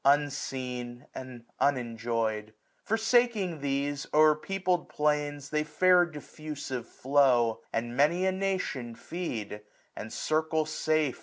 Unseen, and unenjoy'd. Forsaking these, 850 O'er peopled plains they fair diffusive flow ; And many a nation feed } and circle safe.